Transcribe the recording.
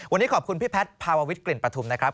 วันนี้ขอบคุณพี่แพทย์ภาววิทกลิ่นปฐุมนะครับ